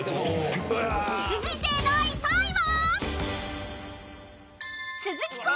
［続いて第３位は］